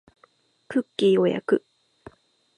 クッキーを焼く